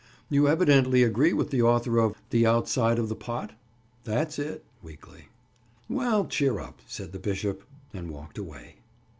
"You evidently agree with the author of The Outside of the Pot?" "That's it." Weakly. "Well, cheer up," said the bishop, and walked away.